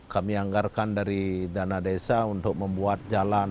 kami anggarkan dari dana desa untuk membuat jalan